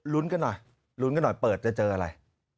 กันหน่อยลุ้นกันหน่อยเปิดจะเจออะไร